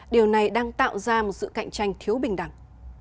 điều này đang tạo ra một sự cạnh tranh thiếu bình đẳng